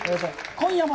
「今夜も」。